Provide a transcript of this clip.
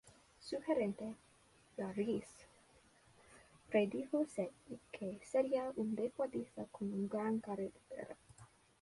Su gerente, Bjarne Riis, predijo que sería un deportista con una gran carrera.